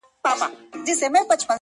په دربار کي که ولاړ ډنډه ماران وه!.